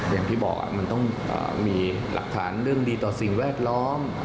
อย่างที่บอกมันต้องมีหลักฐานเรื่องดีต่อสิ่งแวดล้อม